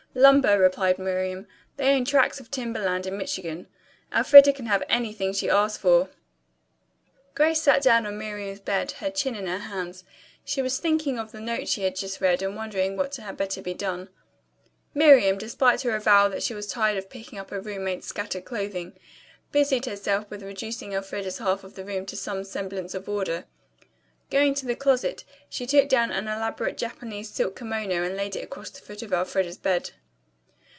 "Lumber," replied Miriam. "They own tracts of timber land in Michigan. Elfreda can have anything she asks for." Grace sat down on Miriam's bed, her chin in her hands. She was thinking of the note she had just read and wondering what had better be done. Miriam, despite her avowal that she was tired of picking up her roommate's scattered clothing, busied herself with reducing Elfreda's half of the room to some semblance of order. Going to the closet, she took down an elaborate Japanese silk kimono and laid it across the foot of Elfreda's bed.